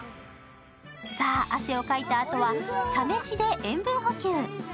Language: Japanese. さあ、汗をかいたあとはサ飯で塩分補給。